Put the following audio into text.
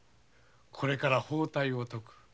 これから包帯を解く。